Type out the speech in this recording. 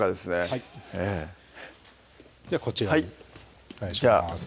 はいではこちらにお願いします